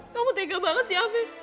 kamu tega banget sih afiq